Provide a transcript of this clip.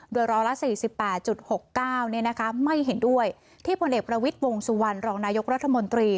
โดยร้อยละ๔๘๖๙ไม่เห็นด้วยที่ผลเอกประวิทย์วงสุวรรณรองนายกรัฐมนตรี